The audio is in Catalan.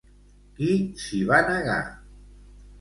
Qui s'hi va negar?